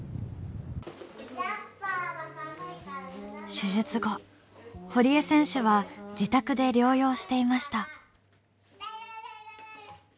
手術後堀江選手は自宅で療養していました。